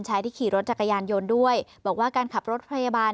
ชายที่ขี่รถจักรยานยนต์ด้วยบอกว่าการขับรถพยาบาล